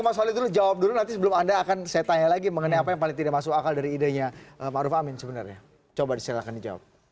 mas walid dulu jawab dulu nanti sebelum anda akan saya tanya lagi mengenai apa yang paling tidak masuk akal dari idenya maruf amin sebenarnya coba silahkan dijawab